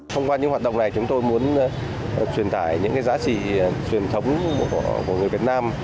thông qua những hoạt động này chúng tôi muốn truyền tải những giá trị truyền thống của người việt nam